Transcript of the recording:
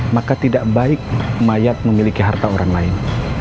maka tidak baik mayat memiliki harta orang lain